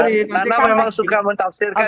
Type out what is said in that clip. nana memang suka mentafsirkan